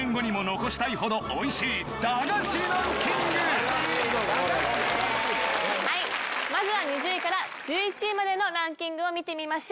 続いてはまずは２０位から１１位までのランキングを見てみましょう。